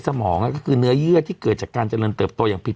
สมองก็คือเนื้อเยื่อที่เกิดจากการเจริญเติบโตอย่างผิด